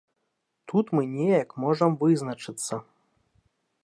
Тут мы неяк можам вызначыцца.